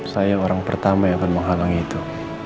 saya orang pertama yang akan menghalangi itu